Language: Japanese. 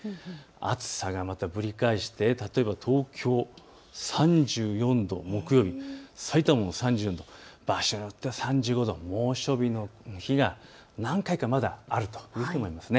暑さがまたぶり返して例えば東京３４度、さいたまも３４度、場所によっては３５度、猛暑日の日がまだ何回かあるということです。